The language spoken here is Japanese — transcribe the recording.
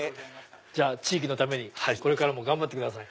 地域のためにこれからも頑張ってください。